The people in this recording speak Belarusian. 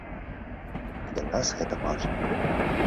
Для нас гэта важна.